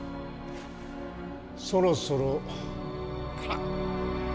そろそろ。